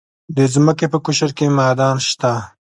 د ځمکې په قشر کې معادن شته.